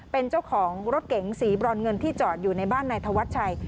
เป็นเจ้าของรถเก๋งสีบรอนเงินที่จอดอยู่ในบ้านนายธวัชชัย